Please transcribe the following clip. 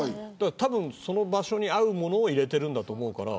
多分その場所に合うものを入れているんだと思うから。